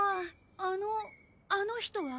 あのあの人は？